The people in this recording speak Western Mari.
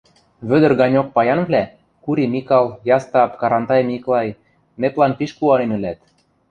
Вӧдӹр ганьок паянвлӓ — Кури Микал, Ястап, Карантай Миклай — нэплӓн пиш куанен ӹлӓт.